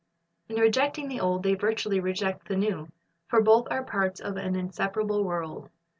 "^ In rejecting the Old, they virtually reject the New; for both are parts of an inseparable whole.